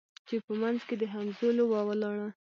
چي په منځ کي د همزولو وه ولاړه